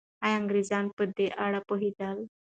آیا انګریزان په دې اړه پوهېدل؟